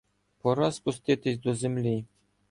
Пора спуститись до землі